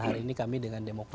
hari ini kami dengan demokrat